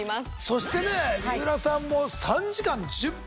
そして水卜さんも３時間１０分。